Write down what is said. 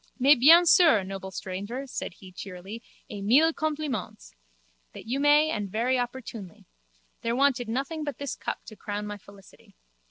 Mais bien sûr, noble stranger, said he cheerily, et mille compliments. That you may and very opportunely. There wanted nothing but this cup to crown my felicity.